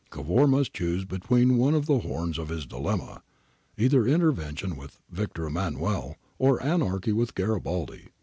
] 'Cavour must choose between one of the horns of his dilemma. Either inter\'ention with Victor Emmanuel, or anarchy with Garibaldi.